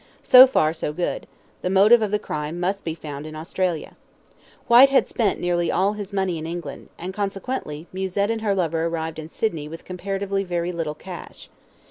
So far so good; the motive of the crime must be found in Australia. Whyte had spent nearly all his money in England, and, consequently, Musette and her lover arrived in Sydney with comparatively very little cash.